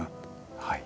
はい。